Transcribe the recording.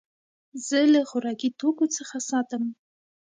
زه له خوراکي توکو څخه ساتم.